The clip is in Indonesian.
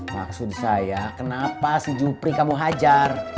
maksud saya kenapa si jupri kamu hajar